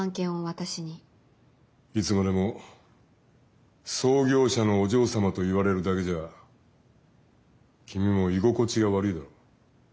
いつまでも創業者のお嬢様と言われるだけじゃ君も居心地が悪いだろう。